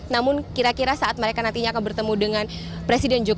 namun kira kira saat mereka nantinya akan bertemu dengan presiden jokowi